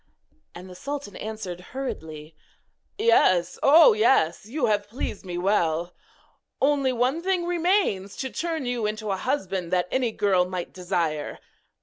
And the sultan answered hurriedly: 'Yes! oh, yes! you have pleased me well! Only one thing remains to turn you into a husband that any girl might desire.